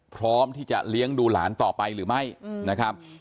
พร้อมที่จะเลี้ยงดูหลานต่อไปหรือไม่นะครับ